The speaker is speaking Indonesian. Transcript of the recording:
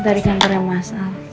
dari kantor yang masal